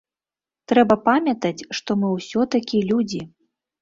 Трэба памятаць, што мы ўсё-такі людзі.